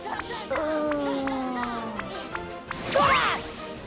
うん。